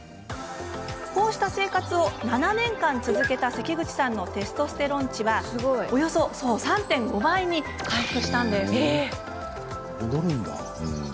こうした生活を７年間続けた関口さんのテストステロン値はおよそ３．５倍に回復しました。